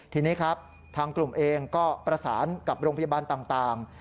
ทีนี้ครับทางกลุ่มเองก็ประสานกับโรงพยาบาลต่าง